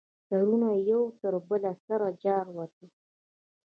سرونه یې یو تر بله سره جارواته.